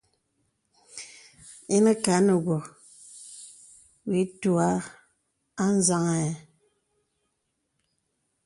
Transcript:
Inə kâ nə wə wɔ̄ è ùtàghà anzaŋɛ̂.